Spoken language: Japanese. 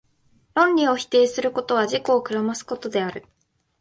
論理を否定することは、自己を暗ますことである。